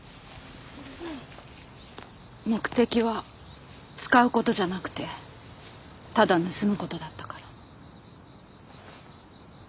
目的は使うことじゃなくてただ盗むことだったから。